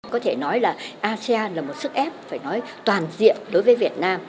có thể nói là asean là một sức ép phải nói toàn diện đối với việt nam